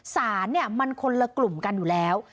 สารมันคนละกลุ่มกันอยู่แล้ว